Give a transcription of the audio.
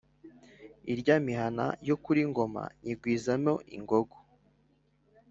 irya mihana yo kuri ngoma nyigwizamo ingogo,